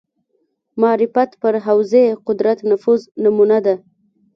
معرفت پر حوزې قدرت نفوذ نمونه ده